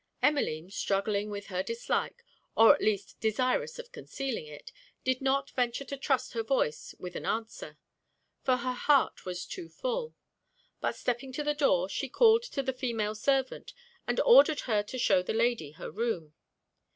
Emmeline, struggling with her dislike, or at least desirous of concealing it, did not venture to trust her voice with an answer; for her heart was too full; but stepping to the door, she called to the female servant, and ordered her to shew the lady her room.